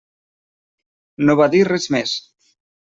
No va dir res més.